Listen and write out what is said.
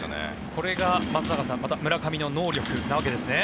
これが村上の能力なわけですね。